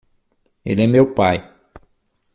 Ele é meu pai